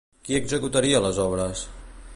Qui executaria les obres?